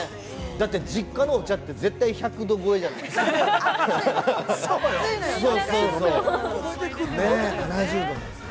だって実家のお茶って、１００度超えじゃないですか。